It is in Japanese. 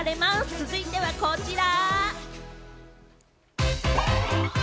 続いてはこちら。